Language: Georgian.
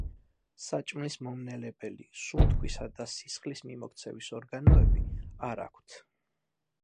საჭმლის მომნელებელი, სუნთქვისა და სისხლის მიმოქცევის ორგანოები არა აქვთ.